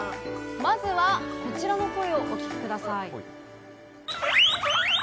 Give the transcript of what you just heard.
まずは、こちらの声をお聞きください。